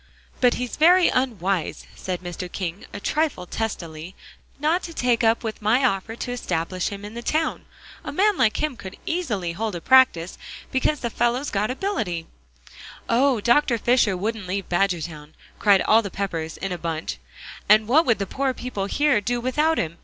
"But he's very unwise," said Mr. King a trifle testily, "not to take up with my offer to establish him in the town. A man like him could easily hold a good practice, because the fellow's got ability." "Oh! Dr. Fisher wouldn't leave Badgertown," cried all the Peppers in a bunch. "And what would the poor people here do without him?"